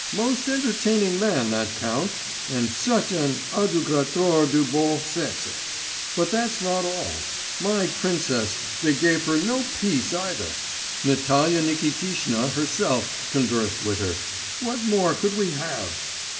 Most entertaining man that Count, and such an adorateur du beau sexe! But that's not all; my princess ... they gave her no peace either: Natalya Nikitishna herself conversed with her ... what more could we have?